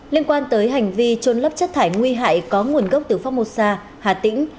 liên quan tới hành vi trôn lấp chất thải nguy hại có nguồn gốc từ pháp mô sa hà tĩnh